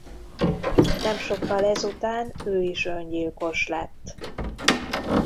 Nem sokkal ezután ő is öngyilkos lett.